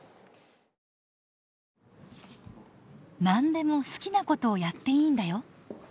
「何でも好きなことをやっていいんだよ」。